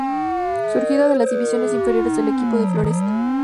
Surgido de las divisiones inferiores del equipo de Floresta.